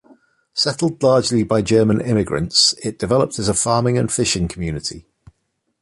Settled largely by German immigrants, it developed as a farming and fishing community.